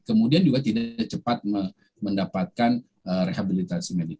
kemudian juga tidak cepat mendapatkan rehabilitasi medik